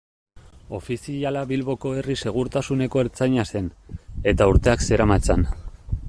Ofiziala Bilboko herri-segurtasuneko ertzaina zen, eta urteak zeramatzan.